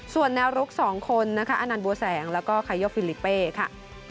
ส่วนแนวรุก๒คนนะคะอนันต์บัวแสงแล้วก็ไคโยฟิลิเป้ค่ะ